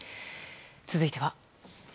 続いては。